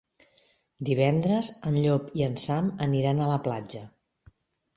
Divendres en Llop i en Sam aniran a la platja.